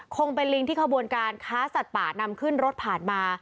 คงเป็นลิงที่ขบวนการค้าสัตว์ป่านำขึ้นรถผ่านมา